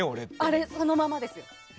あれ、そのままですよ。